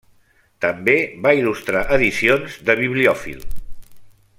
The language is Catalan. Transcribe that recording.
També va il·lustrar edicions de bibliòfil.